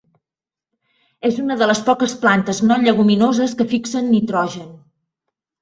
És una de les poques plantes no lleguminoses que fixen nitrogen.